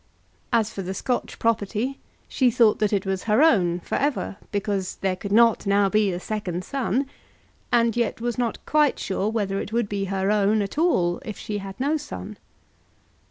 As for the Scotch property, she thought that it was her own, for ever, because there could not now be a second son, and yet was not quite sure whether it would be her own at all if she had no son.